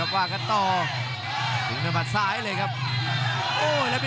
โอ้โหโอ้โหโอ้โหโอ้โห